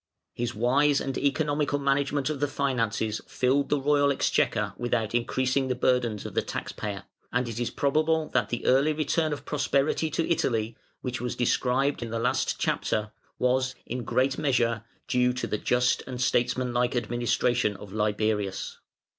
His wise and economical management of the finances filled the royal exchequer without increasing the burdens of the tax payer, and it is probable that the early return of prosperity to Italy, which was described in the last chapter, was, in great measure, due to the just and statesmanlike administration of Liberius.